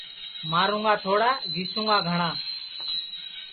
مارُوں گا تھوڑا گِیسُوں گا گھٹؔا